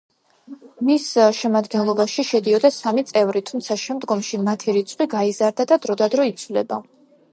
მის შემადგენლობაში შედიოდა სამი წევრი, თუმცა შემდგომში მათი რიცხვი გაიზარდა და დროდადრო იცვლება.